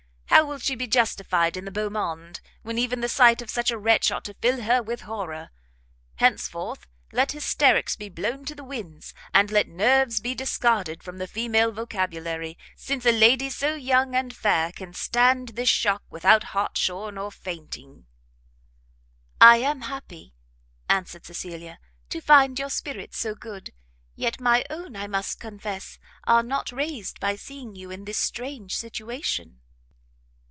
how will she be justified in the beau monde, when even the sight of such a wretch ought to fill her with horror? Henceforth let hysterics be blown to the winds, and let nerves be discarded from the female vocabulary, since a lady so young and fair can stand this shock without hartshorn or fainting!" "I am happy," answered Cecilia, "to find your spirits so good; yet my own, I must confess, are not raised by seeing you in this strange situation."